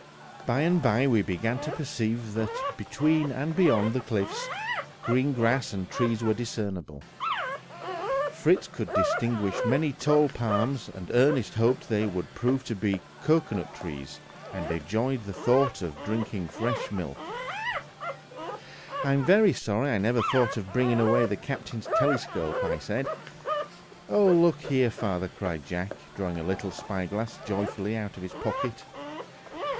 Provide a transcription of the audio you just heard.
By and by we began to perceive that, between and beyond the cliffs, green grass and trees were discernible. Fritz could distinguish many tall palms, and Ernest hoped they would prove to be cocoanut trees, and enjoyed the thought of drinking the refreshing milk. "I am very sorry I never thought of bringing away the captain's telescope," said I. "Oh, look here, father!" cried Jack, drawing a little spyglass joyfully out of his pocket.